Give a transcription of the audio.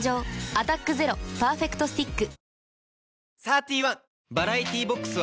「アタックＺＥＲＯパーフェクトスティック」